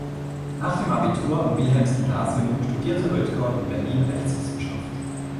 Nach dem Abitur am Wilhelms-Gymnasium studierte Rötger in Berlin Rechtswissenschaft.